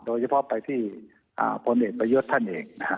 โดยเฉพาะไปที่ประเทศประยศธันต์เอง